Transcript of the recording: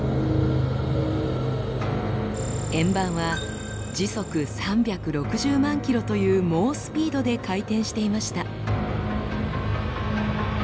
円盤は時速３６０万ｋｍという猛スピードで回転していました。